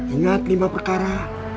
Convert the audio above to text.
ingat lima perkara